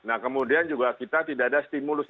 nah kemudian juga kita tidak ada stimulus